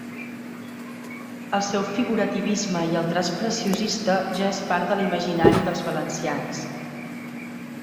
El seu figurativisme i el traç preciosista ja és part de l'imaginari dels valencians.